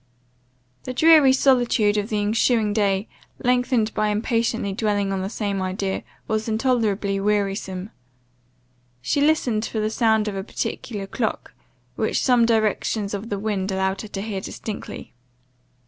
The dreary solitude of the ensuing day, lengthened by impatiently dwelling on the same idea, was intolerably wearisome. She listened for the sound of a particular clock, which some directions of the wind allowed her to hear distinctly.